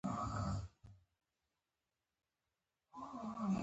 پوځي مخابره د پخوا په پرتله اوس سمه شوې.